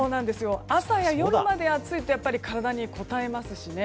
朝や夜まで暑いと体にこたえますしね。